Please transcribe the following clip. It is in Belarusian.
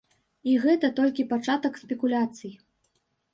І гэта толькі пачатак спекуляцый.